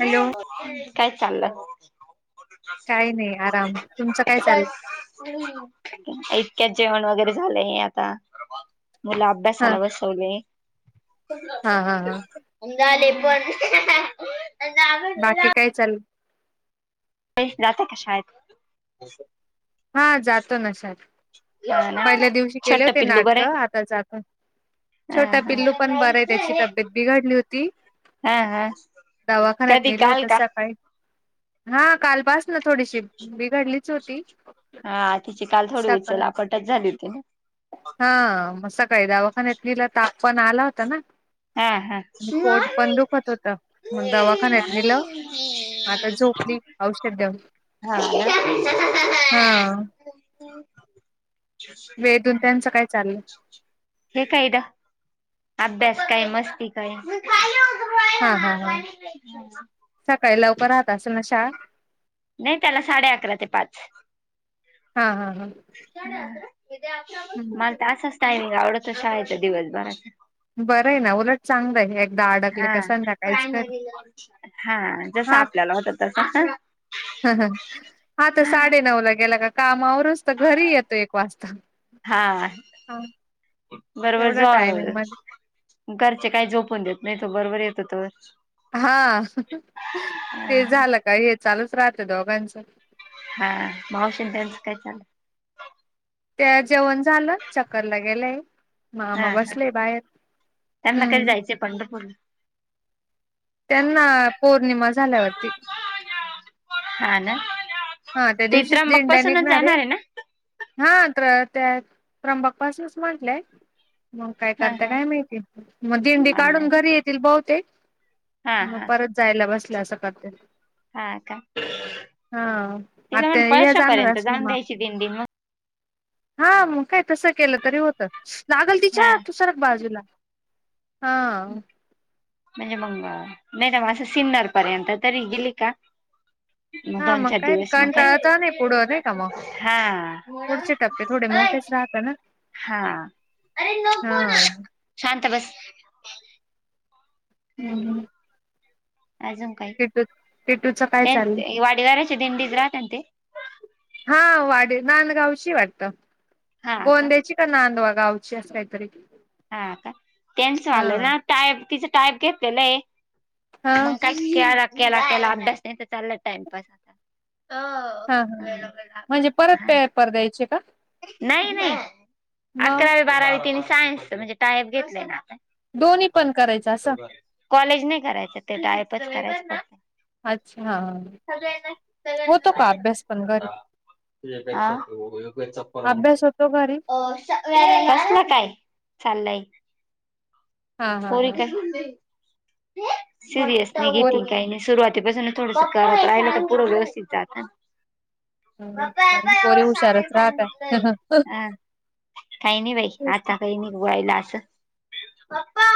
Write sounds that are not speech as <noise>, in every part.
Hello काय चाललं? काही नाही आराम तुमचं काय चाल <unintelligible> जेवण वगैरे झालंय आता मुलं अभ्यासाला बसवले. हां हां हां. झाले पण बाकी काय चाल ते ना <inaudible> त का शायद हा जातो ना शाळेत, हा ना पहिल्या दिवशी केले छोट होते पिल्लू बरं नाटक आहे आता जातो. हा छोटा हा. पिल्लू पण बर आहे त्याची तब्येत बिघडली होती. हा हा दवाखान्यात कधी नेलं काल होत का? सकाळी, हा कालपास ना थोडीशी बिघडलीच होती. हा तिची काल थोडी सकाळ उचल पटच झाली होती ना, काही दवाखान्यात नेलं ताप पण आला होता ना, हा हा. आणि हा पोट पण दुखत होत मग दवाखान्यात निलं ना. आता कली औषध <inaudible> हा <inaudible> वेदून त्यांचं काय चाललं हे काय इद. अभ्यास काय मस्ती काय, हा हा हा सकाळी लवकर राहत अस ना शाळा, नाही त्याला साडे अकरा ते पाच हा हा हा मग असच टायमिंग आवडतश आहेच दिवसभराच बरं आहे ना उलट चांगलं आहे एकदा अडकले हा का संध्याकाळीच घरी हा जस आपल्याला होत तस ह ह आता साडे नऊ ला गेला का काम घरी येतो एक वाजता. हा बरोबर तेवढ्या जा टायमिंग मध्ये घरचे काय झोपून देत नाहीतो बरोबर येतो तर हा ते झालं का हे चालूच राहतें दोघांच हा माऊशी त्यांचं काय चालं त्या जेवण झालं चक्करला गेलंय. हा मामा हा बसले ये बाहेर, त्यांना कधी जायचंय पंढरपूरला त्यांना पौर्णिमा झाल्यावरती हा ना हा त्या ते दिवशीच त्र्यंबक दिंड्या पासूनच निघणारे जाणार आहे ना हा तर त्या त्र्यंबक पासूनच म्हटलंय. मग काय हा करते हा काय माहिती मग दिंडी काढून अन्ना घरी येतील बहुतेक, हा मग हा परत जायला बसल्या असं करते. हा का हा तिला आता म्हण या जाणार पळशापर्यंत असेल जाऊन मग द्यायची दिंडी मग हा मग काय तस केलं तरी होत लागल हा तिच्या तू सरकं बाजूला हा म्हणजे मंग नाय तर मं असं सिन्नर पर्यंत तरी गेली का मग हा दोन चार काय दिवस मग काय कंटाळता नाही पुढं नाही का मग हा पुढचे टप्पे थोडे मोठेच राहत ना हा अरे नको ना हा शांत बस हम्म हम् अजून काय पेटूच काय चाललं दिंडीत राहत ते हा वा नांदगावची वाटत गोंद्याची का नांदवा गावची अस काहीतरी हा का त्यांच हा म्हलं ना टाईप तिचा टाईप घेतेलाय हा <inaudible> मग काय केला केला केला अभ्यास नाही तर चालला टाइमपास आता, हो. हा हा म्हणजे परत हा. पेपर द्यायचे का? नाही नाही मग अकरावी बारावी तिने सायन्सच म्हणजे टायप घेतलेला. दोन्ही पण करायचं असं कॉलेज नाय करायचं ते टायपच करायचं. फक्त. अच्छा हा हा. सगळ्यांना होतो सगळ्यांना का असे अभ्यास पण घरी अभ्यास होतो घरी आ कसला काय चाललंय. हा हा पोरी हा का सिरियस नाही पोरी घेती काय नाय सुरुवात ते असं ना थोडस करत राहिलं त पुढं व्यवस्थित जात. हं, काही नाही पोरी हुशारच राहत <unintelligible> काही नाही बाई आता काही नाय <unintelligible> असंल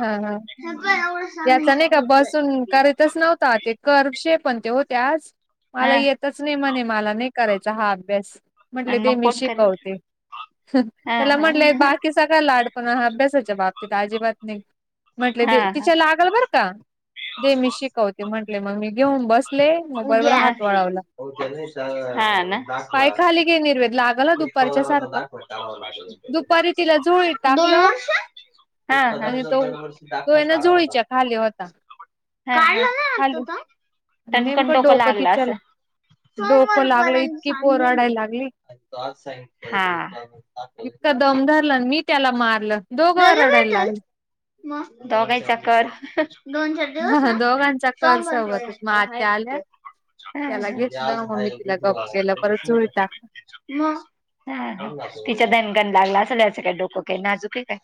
हा हा पण एवढं सामान याचा नाय का सांगितलं बसून करीतच नव्हता ते कर चे पण ते होते आज मला हा येतच नाय म्हणे मला नाय करायचा हा अभ्यास म्हटले आणि ते मग मी कोण करील शिकवते. हा त्याला हा म्हटलंय बाकी सगळ्या लाडपण अभ्यासाच्या बाब अजिबात नाई म्हटल हा दे हा तिच्या लागल बर का दे मी शिकवते मं म्हटले मंग मी घेऊन बसले मोबाईल वर उद्या हात वळवला हा ना. पाय दाखला खाली घे निर्वेद लागल हं दुपारच्या पगाराचा सारखं दाखला काढावा लागेल दुपारी तिला झोळीत टाकलं. हा. आणि तो तो एना झोळीच्या खाली होता. खाली <unintelligible> टणकन नेमकं डोक डोकं लागला तिच्याला असं डोकं लागलं सोमवारपर्यंत इतकी पोर सांगिले. रडायला लागली हा इतका दम धरला आणि मी त्याला मारलं. दोघं रडायला लागले दोघाईचा कर <unintelligible> दिवस ना दोघांचा कर सोमवार सोबतच मग आत्या आल्या पर्यंत त्याला घेतलं मग मी हाय तिला गप केलं परत झोळीत टाकलं <unintelligible> हहं तिच्या दणगण लागला अस त्याचं काय डोकं काय नाजूक आहे का.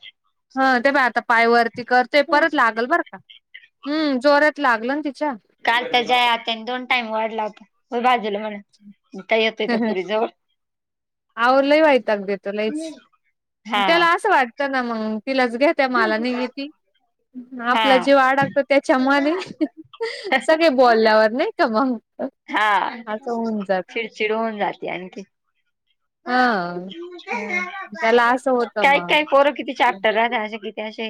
हा ते ब आता पाय वरती करतोय परत लागल बरं का हम्म जोरत लागल ति काल तर जया आत्यांनी दोन टाईम वाढला होता. व्हय भात तिला म्हण मं काय येतोय त्या पुरी जवळ आओ लय वैताग देतो लईच मं हा त्याला असं वाटतं ना मंग तीलांच घेत्या माला नाय घेती आपला हा. जजीव आडाकतो त्याच्या मध्ये सगळे बोलल्यावर नाही का मंग हा चिडचिड होऊन जाते आणखी हा त्याला असं होतं काय मग काय पोर किती चॅप्टर राहत्या असे किती असे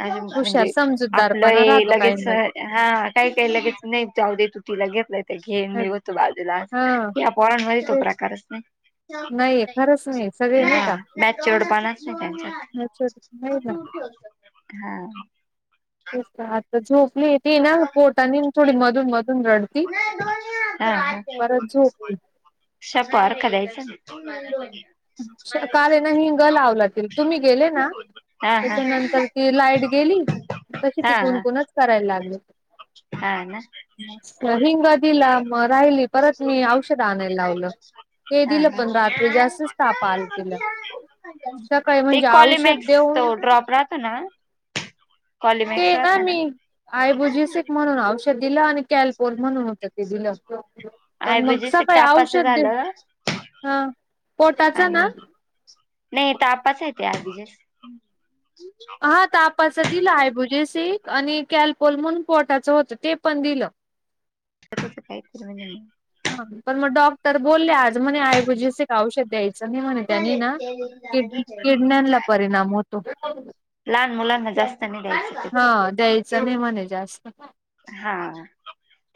अजून हुशार म्हणजे समजूतदारपणा आपलं राहतो लगेच काहींमध्ये हा काय काय लगेच नई जाऊ दयायच तीला. घेतलंय त घे मी वतो बाजूला हा या पोरांमध्ये तो तेच प्रकारच नाय. नाहीये खरंच नाही सगळे हा नाही का बैचवढ पाणचा आहे त्यांच्यात. नाही ना हा. तेच का आता झोप नी ते ना पोट आणि थोडी मधून-मधून रडती परत झोपते. शाप बारका द्यायच ना काल हे ना मी हिंग लावला तिल तुम्ही गेले ना हा हा त्याच्यानंतर ति लाईट गेली तशी ती हा हा कुणकुणच करायला लागली हा ना. हिंग दिला म राहिली परत मी औषधं आणायला लावलं. ते हा दिलं पण रात्री हा जास्तच ताप आला तिला. सकाळी म्हणजे एक औषध कॉलीमॅक्स तो देऊन ड्रॉप जातं ना कॉलीमीक्सात ना आयबुजिसिक म्हणून औषध दिला आणि कॅलपोर म्हणून होतं ते दिलं पण मग आयबीजेस एक सकाळी तापाचं औषध दि झालं हा पोटाचा ना. आणि नाही तापचा आहे ते आयबीजस हा तापाचा दिला आयबुजीस. सिक आणि कॅलपोल म्हणून पोटाचा होतं ते पण दिलं. सकाळी पूर्ण जणी हा पण मग डॉक्टर बोलले आ जमने आयबुजिसिक औषध द्यायचं नी म्हणून त्याने न किड किडन्यांला परिणाम होतो. हो. लहान मुलांना जास्त नाय द्यायचा. चने मने जास्त हा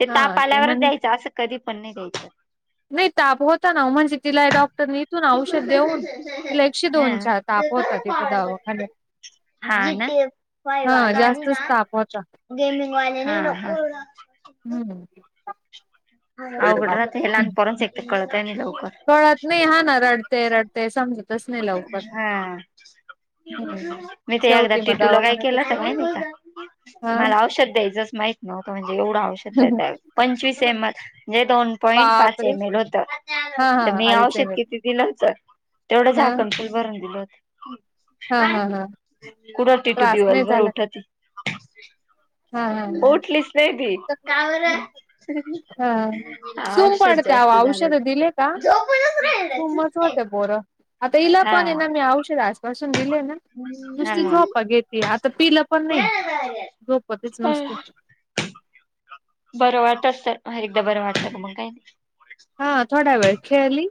ते हा ताप ते आल्यावरच म्हणे द्यायचं असं कधी पण नाही द्यायचं. नाही ताप होता ना ओमानची तिला डॉक् टर इथून औषध देऊन तिला एकशे हा दोन चार ताप होतात तिथं दवाखान्यात हा ना हा जास्तच ताप होता हा. हम्म. अवगड राती हेला आणि पोरांचा एक तर कळतं नी लव कळत नाही हा ना रडते-रडते समजतच नाही लवकर. हा मी ते एकदा शेवटी मग टिटूला काय दवाखान्यातच केलं तर नाही होता हा मला औषध द्यायचंच माहित नव्हतं म्हणजे एवढं औषध देताय पंचवीस एम एल ने दोन पॉईंट पाच बापरे एम एल होतं हा हा तर मी अडीच औषध एम एल किती दिलं होतं तेवढं हा झाकण फुल भरून दिलं होतं. हा हा हा. कुडं टीटू त्रास नाही दिवसभर झाला उठत हा हा उठलीच नाय ती हा हा हा सूम औषध पडते अहो जास्त झालं हो सोमवारचा होतं बोरं आता इला हा पण आहे ना मी औषध आजपासून दिले ना. हा नुसती झोपा घेेते आता पिलं पण नाही. झोपतच नसते. बरं वाटत तर हा एकदा बरं वाटतं काय मग काय नी. हा थोडा वेळ खेळली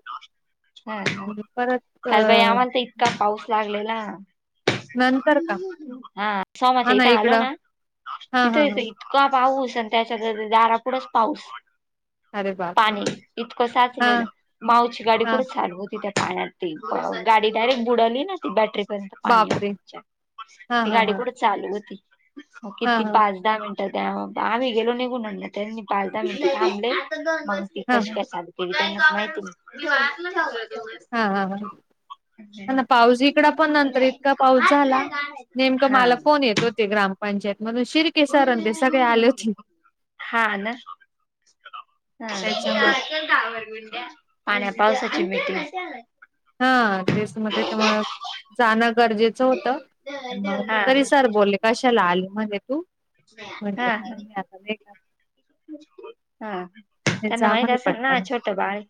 हा हा परत अ काल बाई आम्हाला तर इतका पाऊस लागलेला. नंतर का हा सोमच हा आहे इथं आलो इकडं ना हा हा तिथे हा ते इतका पाऊस आणि त्याच्यात द दारापुढंच पाऊस. अरे बापरे पाणी इतकं हा साचलेला मावची गाडी हा कुठे चालू त्या पाण्यात गाडी डायरेक्ट बुडली ना बॅटरी बापरे पाणी हा हा गाडी हा कठ चालू होती हा किती हा पाच दहा मिनट आम्ही गेलो निघून म्हण पाळता म थांबले माहिती हा कशी काय चालते त्यांनाच माहिती हा हा ह ह ना पाऊस इकड पण नंतर नाही. इतका पाऊस झाला नेमक हा मला फोन येत होते ग्राम होते हा ना. हा त्याच्यामुळे ना पाण्या पावसाची मिटिंगस हा तेच म ते मग जाणं गरजेचा होता आणि मग हा तरी सर बोलले कशाला आली मध्ये तू? हा म्हटलं हा काही नाही आता नाही का हा. नीट त्यांना जा म्हणजे माहित मने असेल ना पटकन छोट बाळ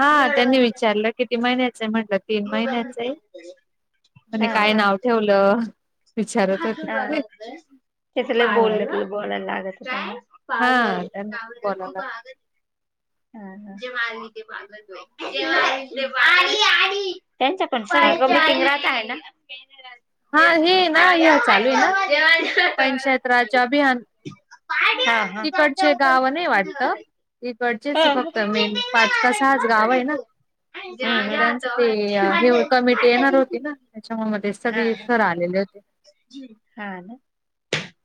हा त्यांनी विचारलं किती महिन्या चा म्हटलं तीन महिन्याचा आहे म्हने काय नाव ठेवलं? विचारत हां होते त्याचा लई बोललेत बोलाय लागत त्यांना. <unintelligible> हां हा त्यांना खूप बोलावला हां. त्यांच्या पण सगळीकडं बाकी मीटिंग राहत आहे ना. हा हे ना जे माझ्या ह्य चालूहाय ना हातावर- जे माझ्या पंचायत राज्य अभियान. हां हां. तिकडचे गाव नाही वाटतं. तिकडचेच हा. हम् फक्त हम्. मेन हा पाच का हा सहाच गाव आहे ना. मग त्यांचं ते हे कमिटी येणार होती ना त्याच्यामुळे मग ते सगळे सर आलेले हा आलं.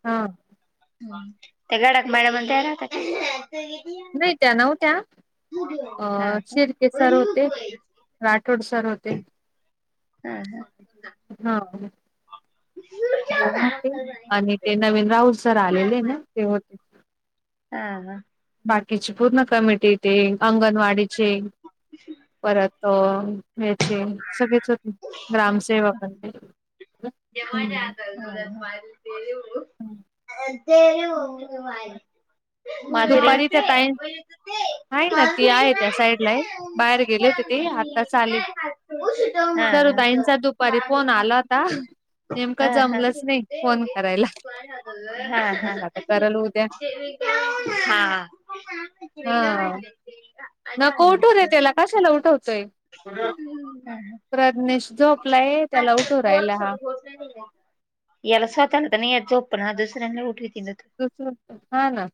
हां. त्या गडात मॅडम आणि त्या राहतात. नाही त्या नव्हत्या अ हा शिर्के सर होते काय. राठोड सर होते. हा हा हां. दोन होते आणि ते नवीन राऊत सर आलेले ना ते होते. हा हा. बाकीची पूर्ण कमिटी टीम अंगणवाडीची परत ह्याचे सगळेच होते ग्रामसेवक आणि ते. हा हा. दुपारी त्या ताई <inaudible> आहे ना ती आहे त्या साईडला आहे. बाहेर गेले होते माधुरी. ते आत्ताच आले. हां सरुताईंचा दुपारी हां. फोन आला होता. हा नेमकं जमलंच नाही फोन करायला. हा. म्हटलं आता हां करल उद्या हां. हां. हा नको उठूवू रे त्याला कशाला उठवतोय. हा प्रज्ञेश. झोपलाय त्याला उठू राहिला हा याला सात नंतर याय झोपणा दुसऱ्यांना उठीवते तसं असतं हा ना.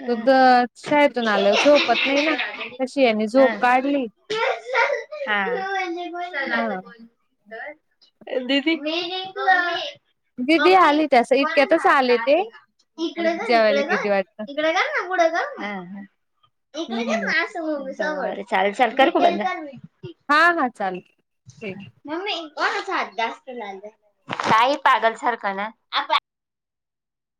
अ <unintelligible> शाळेतून आल्यावर झोपत नाही ना हा कशी ह्याने झोप काढली हा हां. दीदी. दिदी आली त्यास इतक्यातच आले ते हम्. जेवायला गेली वाटत हं हम्म हं. हा, हा चालतय ठेव काहीही पागल सारखं ना